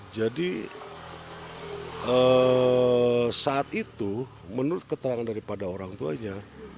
jadi saat itu menurut keterangan daripada orang tuanya